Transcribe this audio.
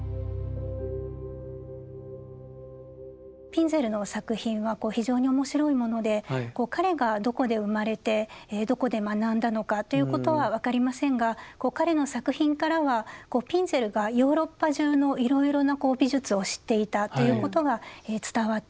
ピンゼルの作品は非常に面白いもので彼がどこで生まれてどこで学んだのかということは分かりませんが彼の作品からはピンゼルがヨーロッパ中のいろいろな美術を知っていたということが伝わってきます。